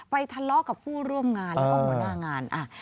ทะเลาะกับผู้ร่วมงานแล้วก็หัวหน้างาน